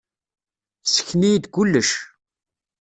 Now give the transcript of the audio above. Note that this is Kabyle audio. Ssken-iyi-d kullec.